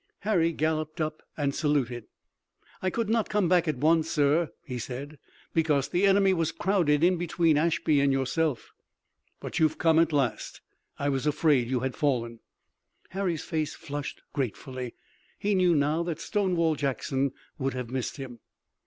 Harry galloped up and saluted. "I could not come back at once, sir," he said, "because the enemy was crowded in between Ashby and yourself." "But you've come at last. I was afraid you had fallen." Harry's face flushed gratefully. He knew now that Stonewall Jackson would have missed him.